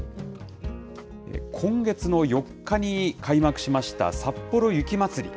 今月の４日に開幕しました、さっぽろ雪まつり。